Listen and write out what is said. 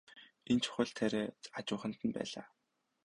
Энэ чухал тариа хажууханд нь байлаа.